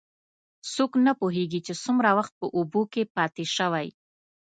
څوک نه پوهېږي، چې څومره وخت په اوبو کې پاتې شوی.